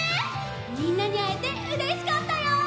みんなにあえてうれしかったよ。